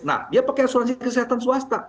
nah dia pakai asuransi kesehatan swasta